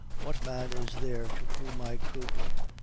What man is there to whom I could